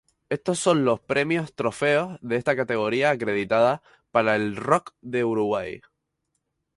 Estos sos los primeros trofeos de esta categoría acreditados para el rock de Uruguay.